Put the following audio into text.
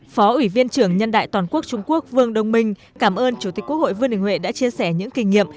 phó ủy viên trưởng nhân đại toàn quốc trung quốc vương đông minh cảm ơn chủ tịch quốc hội vương đình huệ đã chia sẻ những kinh nghiệm